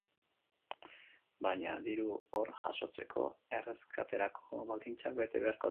Baina, diru hor jasotzeko, erreskaterako baldintzak bete beharko ditu.